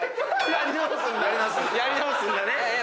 やり直すんだ。